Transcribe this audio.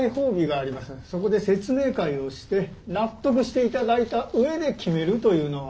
そこで説明会をして納得していただいた上で決めるというのは。